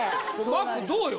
マックどうよ？